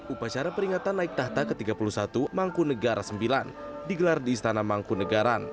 upacara peringatan naik tahta ke tiga puluh satu mangkunegara sembilan digelar di istana mangkunegaran